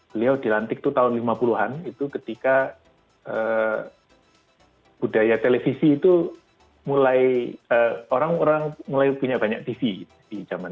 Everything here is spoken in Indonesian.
beliau dilantik itu tahun lima puluh an itu ketika budaya televisi itu mulai orang orang mulai punya banyak tv di zaman